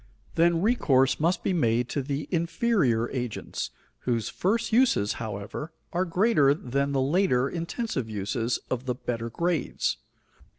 Then recourse must be made to the inferior agents, whose first uses, however, are greater than the later, intensive uses, of the better grades.